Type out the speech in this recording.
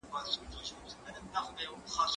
دا کتاب له هغه مفيد دی؟